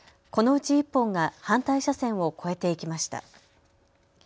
このうち１本が反対車線を越えていきました。